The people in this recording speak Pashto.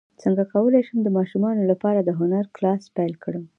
څنګه کولی شم د ماشومانو لپاره د هنر کلاس پیل کړم